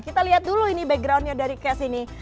kita lihat dulu ini backgroundnya dari cash ini